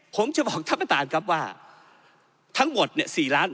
ผมจะบอกช่ำให้ตามครับว่าทั้งหมดเนี้ย